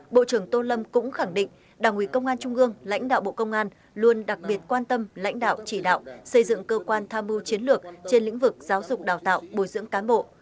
bộ trưởng tô lâm cũng khẳng định đảng ủy công an trung ương lãnh đạo bộ công an luôn đặc biệt quan tâm lãnh đạo chỉ đạo xây dựng cơ quan tham mưu chiến lược trên lĩnh vực giáo dục đào tạo bồi dưỡng cán bộ